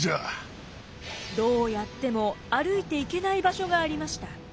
どうやっても歩いていけない場所がありました。